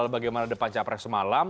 bagaimana depan capres semalam